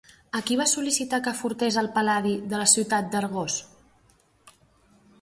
A qui va sol·licitar que furtes el Pal·ladi de la ciutat d'Argos?